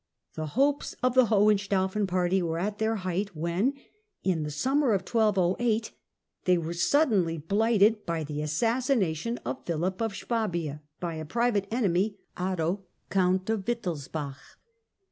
The hopes of the Hohenstaufen party were at their height when, in the summer of 1208, they were suddenly blighted by tlie assassination of Philip of Swabia by a private A^^ssina enemy, Otto Count of Wittelsbach.